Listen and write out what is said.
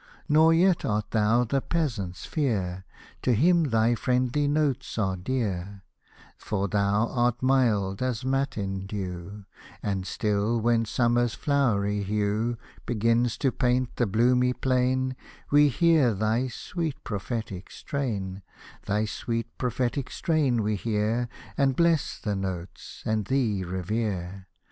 Nor yet art thou the peasant's fear, To him thy friendly notes are dear ; For thou art mild as matin dew ; And still, when summer's flowery hue Begins to paint the bloomy plain, We hear thy sweet prophetic strain ; Thy sweet prophetic strain we hear, And bless the notes, and thee revere